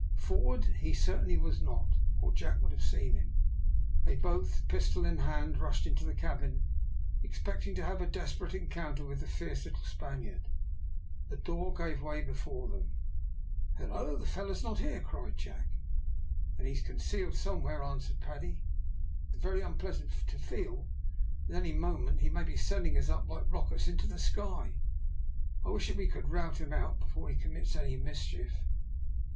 Forward he certainly was not, or Jack would have seen him. They both, pistol in hand, rushed into the cabin, expecting to have a desperate encounter with the fierce little Spaniard. The door gave way before them. "Hillo! the fellow is not here," cried Jack. "Then he's concealed somewhere," answered Paddy. "It's very unpleasant to feel that any moment he may be sending us up like rockets into the sky. I wish that we could rout him out before he commits any mischief."